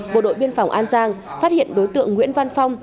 bộ đội biên phòng an giang phát hiện đối tượng nguyễn văn phong